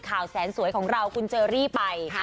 กระทะยังอยู่ดีไหม